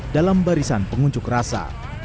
dalam barisan pengunjuk rasa